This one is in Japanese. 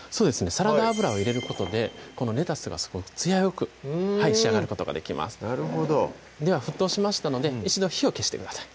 サラダ油を入れることでこのレタスがすごくツヤよく仕上がることができますでは沸騰しましたので一度火を消してください